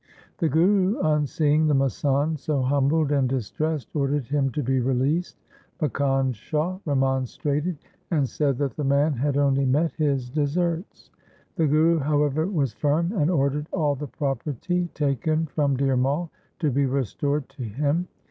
The Guru on seeing the masand so humbled and distressed ordered him to be released. Makkhan Shah remonstrated, and said that the man had only met his deserts. The Guru however was firm, and ordered all the property taken from Dhir Mai to be restored to him.